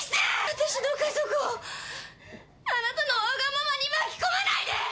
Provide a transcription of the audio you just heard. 私の家族をあなたのわがままに巻き込まないで！